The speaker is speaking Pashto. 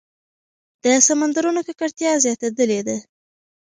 د سمندرونو ککړتیا زیاتېدلې ده.